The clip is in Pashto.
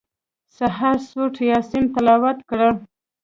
سهار سورت یاسین تلاوت کړه.